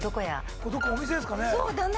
これどっかお店ですかね。